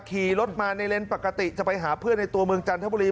ขี่รถมาในเลนส์ปกติจะไปหาเพื่อนในตัวเมืองจันทบุรี